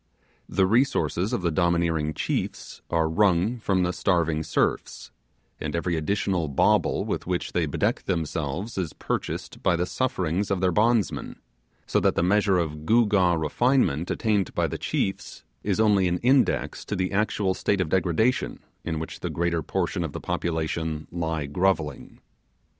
The resources of the domineering chiefs are wrung from the starving serfs, and every additional bauble with which they bedeck themselves is purchased by the sufferings of their bondsmen; so that the measure of gew gaw refinement attained by the chiefs is only an index to the actual state in which the greater portion of the population lie grovelling.